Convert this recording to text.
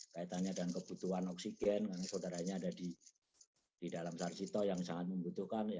kaitannya dengan kebutuhan oksigen karena saudaranya ada di dalam sarjito yang sangat membutuhkan